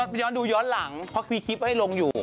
ไปย้อนดูย้อนหลังเพราะมีคลิปให้ลงอยู่